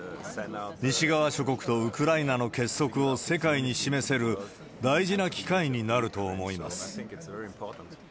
西側諸国とウクライナの結束を世界に示せる、大事な機会になると思います。